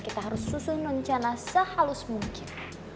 kita harus susun rencana sehalus mungkin